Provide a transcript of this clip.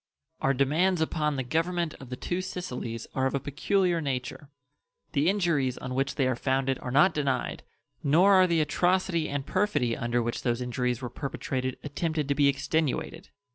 Our demands upon the Government of the two Sicilies are of a peculiar nature. The injuries on which they are founded are not denied, nor are the atrocity and perfidy under which those injuries were perpetrated attempted to be extenuated.